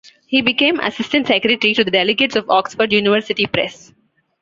He became Assistant Secretary to the Delegates of Oxford University Press.